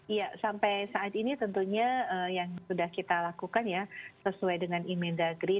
iya sampai saat ini tentunya yang sudah kita lakukan ya sesuai dengan inmedagri enam ribu enam ratus dua puluh enam